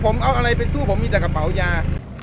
ผมเอาอะไรไปสู้ผมมีแต่กระเป๋ายา